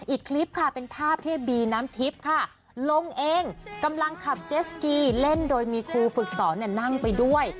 อีกคลิปค่ะเป็นภาพที่บีน้ำทิพย์ค่ะลงเองกำลังขับเจสกีเล่นโดยมีครูฝึกสอนนั่งไปด้วย